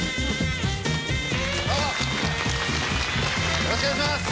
よろしくお願いします。